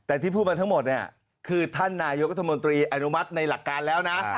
แต่ที่พูดมาทั้งหมดเนี่ยคือท่านนายกรัฐมนตรีอนุมัติในหลักการแล้วนะ